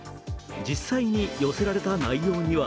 実際に寄せられた内容には